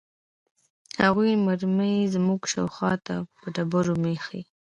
د هغوى مرمۍ زموږ شاوخوا ته پر ډبرو مښتې.